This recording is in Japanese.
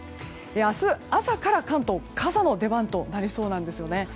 明日、朝から関東は傘の出番となりそうなんですよね。